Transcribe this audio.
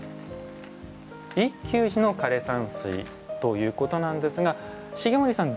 一休寺の枯山水ということなんですが重森さん